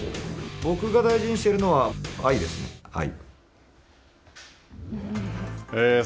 僕が大事にしてるのは愛ですね、愛。